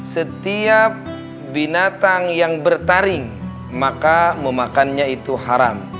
setiap binatang yang bertaring maka memakannya itu haram